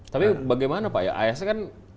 tapi bagaimana pak ya asn kan